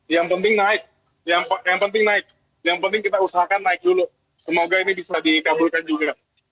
yang penting naik yang penting kita usahakan naik dulu semoga ini bisa dikabulkan juga